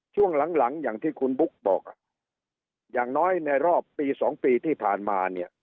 ช่วงหลังอย่างที่คุณบุ๊กบอกอย่างน้อยในรอบปี๒ปีที่ผ่านมาเนี่ย